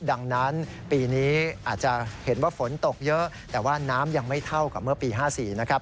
ดังนั้นปีนี้อาจจะเห็นว่าฝนตกเยอะแต่ว่าน้ำยังไม่เท่ากับเมื่อปี๕๔นะครับ